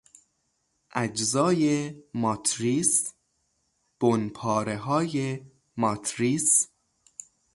اجزای ماتریس، بنپارههای ماتریس